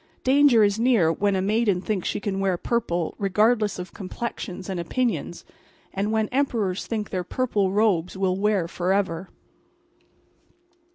Danger is near when a maiden thinks she can wear purple regardless of complexions and opinions; and when Emperors think their purple robes will wear forever.